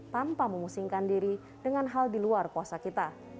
tanpa memusingkan diri dengan hal di luar kuasa kita